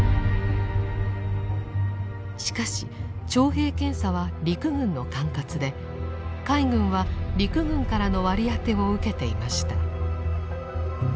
しかし徴兵検査は陸軍の管轄で海軍は陸軍からの割り当てを受けていました。